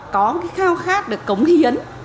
có cái khao khát được cống hiến